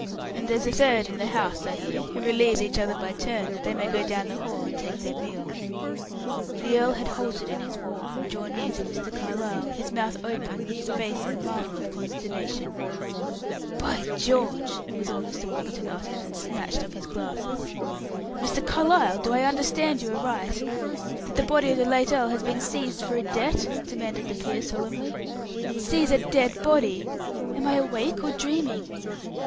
And there's a third in the house, I hear, who relieves each other by turn, that they may go down in the hall and take their meals." The earl had halted in his walk and drawn near to Mr. Carlyle, his mouth open, his face a marvel of consternation. "By George!" was all Mr. Warburton uttered, and snatched off his glasses. "Mr. Carlyle, do I understand you aright that the body of the late earl has been seized for a debt?" demanded the peer, solemnly. "Seize a dead body! Am I awake or dreaming?"